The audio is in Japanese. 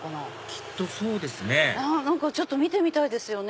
きっとそうですねちょっと見てみたいですよね。